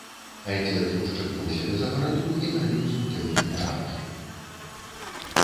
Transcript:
Айцец ушчыпнуў сябе за бараду і наліў з бутэлькі ў чаркі.